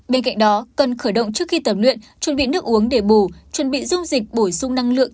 bên cạnh đó cần khởi động trước khi tập luyện chuẩn bị nước uống để bù chuẩn bị dung dịch bổ sung năng lượng